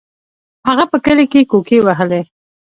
هغه په کلي کې کوکې وهلې.